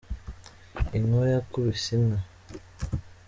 inkuba yakubise inka